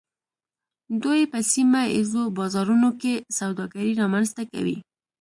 دوی په سیمه ایزو بازارونو کې سوداګري رامنځته کوي